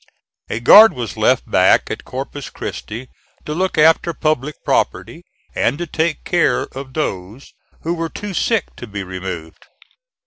A guard was left back at Corpus Christi to look after public property and to take care of those who were too sick to be removed.